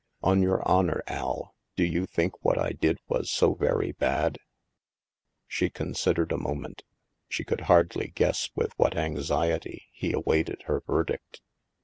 On your honor, Al, do you think what I did was so very bad ?" She considered a moment. She could hardly guess with what anxiety he awaited her verdict.